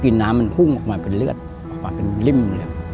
กินน้ำมันหุ้มออกมาเป็นเลือดเป็นฤ่ง